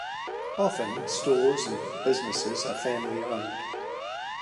Often stores and businesses are family owned.